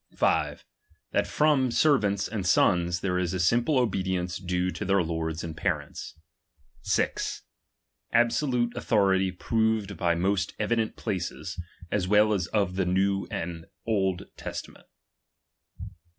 5 That from servants and sons there is a simple obedience due to their lords and parents. 6. Absolute authority proved by moat evident places, as well of the New as the Old Testament.